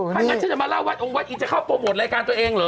ถ้างั้นฉันจะมาเล่าวัดองวัดอินจะเข้าโปรโมทรายการตัวเองเหรอ